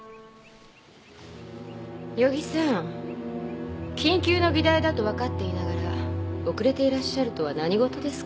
余木さん緊急の議題だと分かっていながら遅れていらっしゃるとは何事ですか？